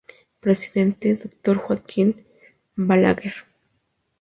Presidente Dr. Joaquín Balaguer.